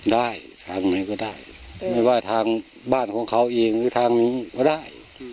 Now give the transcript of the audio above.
ได้ทางไหนก็ได้ไม่ว่าทางบ้านของเขาเองหรือทางนี้ก็ได้